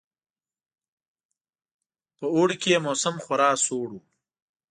په اوړي کې یې موسم خورا سوړ وو.